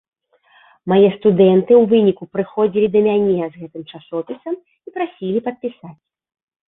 Мае студэнты ў выніку прыходзілі да мяне з гэтым часопісам і прасілі падпісаць.